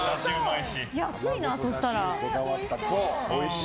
安いな、そしたら。